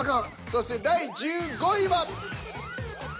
そして第１５位は。